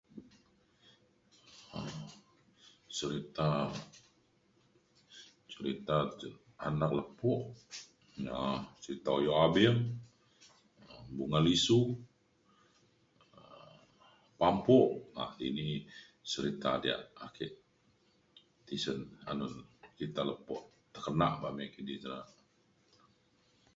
serita serita anak lepo na cerita uyau [unintelligible] um Bungan Lisu um pampo um ini yak serita yak ake tisen anun cerita lepo tekenak ame kidi ta